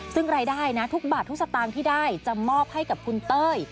ซึ่งรายได้นะทุกบาททุกสตางค์ที่ได้จะมอบให้กับคุณเต้ย